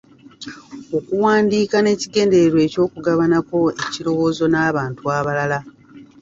Okuwandiika n’ekigendererwa ky’okugabanako ekirowoozo n’abantu abalala.